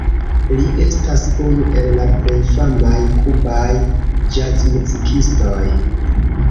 Li estas unu el la plej famaj kubaj ĵazmuzikistoj.